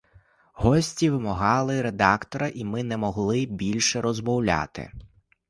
Гості вимагали редактора, і ми не могли більше розмовляти.